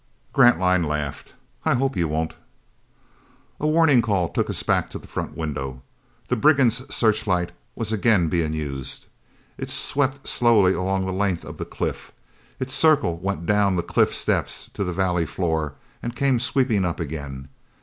Grantline laughed. "I hope you won't!" A warning call took us back to the front window. The brigands' searchlight was again being used. It swept slowly along the length of the cliff. Its circle went down the cliff steps to the valley floor, and came sweeping up again.